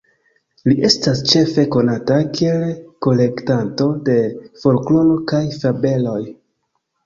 Li estas ĉefe konata kiel kolektanto de folkloro kaj fabeloj.